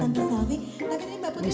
tapi ini mbak putri sudah